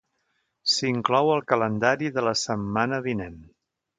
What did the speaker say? S'inclou al calendari de la setmana vinent.